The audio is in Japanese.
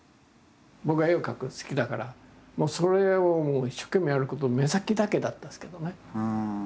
僕は絵を描くの好きだからもうそれを一生懸命やること目先だけだったですけどね。